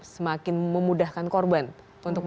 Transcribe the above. semakin memudahkan korban untuk